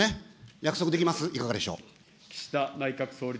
約束できます、いかがでしょう。